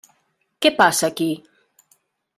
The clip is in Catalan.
Què passa aquí?